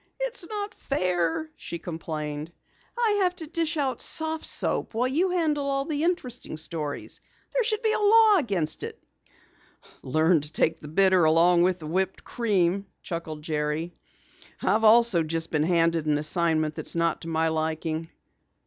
"It's not fair," she complained. "I have to dish out soft soap while you handle all the interesting stories. There should be a law against it." "Learn to take the bitter along with the whipped cream," chuckled Jerry. "I've also just been handed an assignment that's not to my liking."